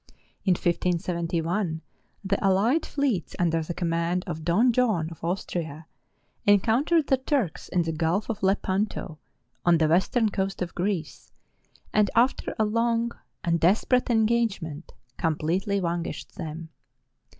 In 1571 the alKed fleets under the command of Don John of Austria encountered the Turks in the Gulf of Lepanto, on the western coast of Greece, and after a long and desperate engagement completely vanquished them.